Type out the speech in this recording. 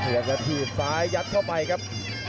พยายามจะถีบซ้ายยัดเข้าไปครับ